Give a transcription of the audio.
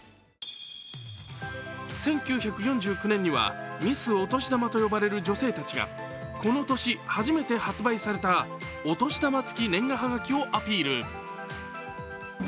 １９４９年にはミスお年玉と呼ばれる女性たちがこの年、初めて発売されたお年玉付年賀はがきをアピール。